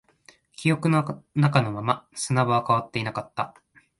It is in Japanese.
記憶の中のまま、砂場は変わっていなかった